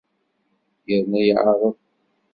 Yerna yeεreḍ.